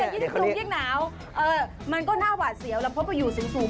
ยิ่งสูงยิ่งหนาวมันก็น่าว่าเสียวนะเพราะว่าอยู่สูง